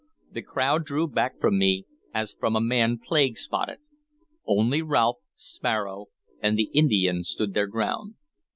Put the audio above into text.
The crowd drew back from me as from a man plague spotted. Only Rolfe, Sparrow, and the Indian stood their ground.